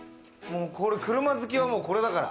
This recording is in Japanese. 車好きは、もうこれだから。